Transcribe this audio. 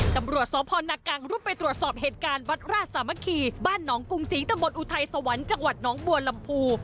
ตำรวจสพนกังรุดไปตรวจสอบเหตุการณ์วัดราชสามัคคีบ้านหนองกรุงศรีตะบนอุทัยสวรรค์จังหวัดน้องบัวลำพู